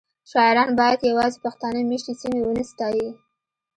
شاعران باید یوازې پښتانه میشتې سیمې ونه ستایي